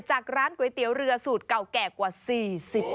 ร้านก๋วยเตี๋ยวเรือสูตรเก่าแก่กว่า๔๐ปี